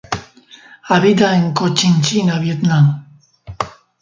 Habita en Cochinchina Vietnam.